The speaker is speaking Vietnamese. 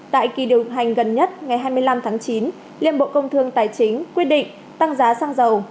tại kỳ điều hành gần nhất ngày hai mươi năm tháng chín liên bộ công thương tài chính quyết định tăng giá xăng dầu